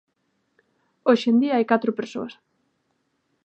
Hoxe en día hai catro persoas.